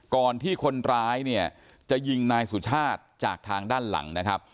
ก่อนที่คนร้ายเนี่ยจะยิงนายสุชาติจากทางด้านหลังนะครับ